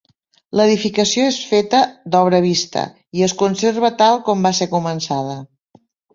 L'edificació és feta d'obra vista i es conserva tal com va ser començada.